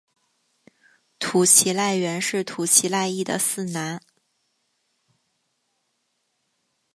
土岐赖元是土岐赖艺的四男。